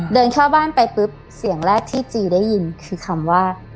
เดินเข้าบ้านไปปุ๊บเสียงแรกที่จีได้ยินคือคำว่า